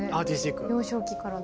幼少期からね。